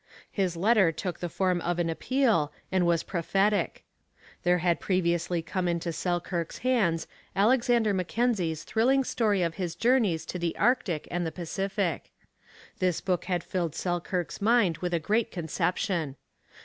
His letter took the form of an appeal, and was prophetic. There had previously come into Selkirk's hands Alexander Mackenzie's thrilling story of his journeys to the Arctic and the Pacific. This book had filled Selkirk's mind with a great conception.